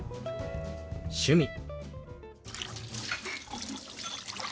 「趣味」。